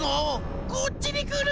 こっちにくる！